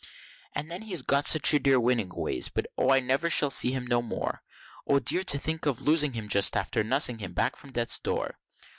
And then he has got such dear winning ways but O, I never never shall see him no more! O dear! to think of losing him just after nussing him back from death's door!